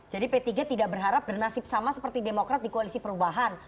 jadi ptg tidak berharap bernasib sama seperti demokrat di koalisi perubahan